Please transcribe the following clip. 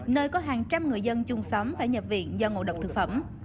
nơi có hàng trăm người dân chung sống phải nhập viện do ngộ độc thực phẩm